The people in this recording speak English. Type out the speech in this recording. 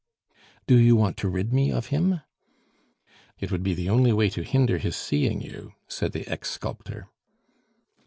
"Do you want to rid me of him?" "It would be the only way to hinder his seeing you," said the ex sculptor.